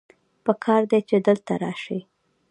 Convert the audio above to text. پکار دی چې ته دلته راشې